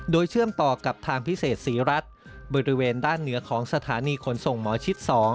โดยเชื่อมต่อกับทางพิเศษศรีรัฐบริเวณด้านเหนือของสถานีขนส่งหมอชิด๒